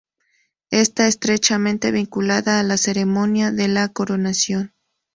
Está estrechamente vinculada a la ceremonia de la coronación.